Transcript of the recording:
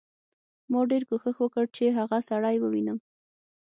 ما ډېر کوښښ وکړ چې هغه سړی ووینم